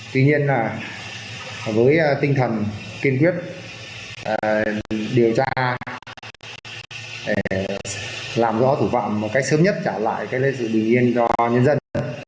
tuy nhiên với tinh thần kiên quyết điều tra làm rõ thủ vọng một cách sớm nhất trả lại lễ sự bình yên cho nhân dân